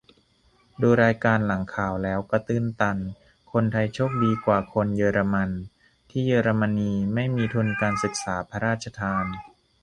ดูรายการหลังข่าวแล้วก็ตื้นตัน คนไทยโชคดีกว่าคนเยอรมัน ที่เยอรมนีไม่มีทุนการศึกษาพระราชทาน